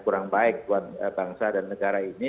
kurang baik buat bangsa dan negara ini